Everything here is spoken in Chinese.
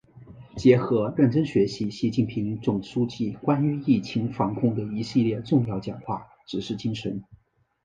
结合认真学习习近平总书记关于疫情防控的一系列重要讲话、指示精神